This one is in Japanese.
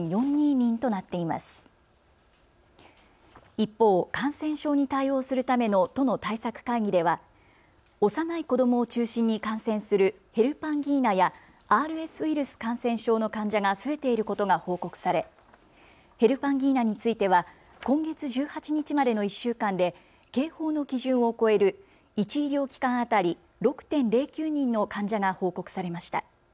一方、感染症に対応するための都の対策会議では幼い子どもを中心に感染するヘルパンギーナやＲＳウイルス感染症の患者が増えていることが報告されヘルパンギーナについては今月１８日までの１週間で警報の基準を超える１医療機関当たり６．０９人の患者が報告されました。